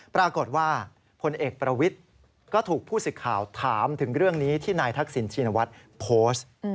ปรากฏว่าพลเอกประวิทย์ก็ถูกผู้สิทธิ์ข่าวถามถึงเรื่องนี้ที่นายทักษิณชินวัฒน์โพสต์